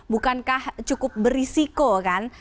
bukankah cukup berisiko kan